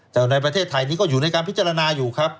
แต่ในประเทศไทยนี้ก็อยู่ในการพิจารณาอยู่ครับ